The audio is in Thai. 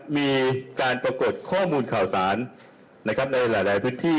มีการปรากฏข้อมูลข่าวสารในหลายพื้นที่